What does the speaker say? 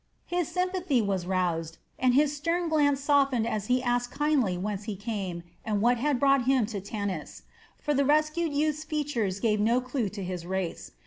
His sympathy was roused, and his stern glance softened as he asked kindly whence he came and what had brought him to Tanis; for the rescued youth's features gave no clue to his race.